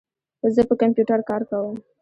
زه په کمپیوټر کار کوم.